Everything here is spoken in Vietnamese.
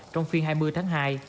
trong phiên hai mươi tháng hai